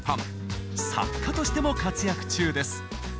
作家としても活躍中です。